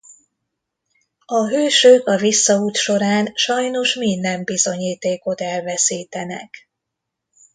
A hősök a visszaút során sajnos minden bizonyítékot elveszítenek.